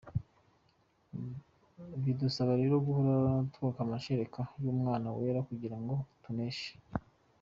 Bidusaba rero guhora twonka amashereka y’Umwuka wera kugira ngo tuneshe.